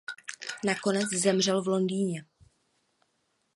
Nakonec zemřel v Londýně.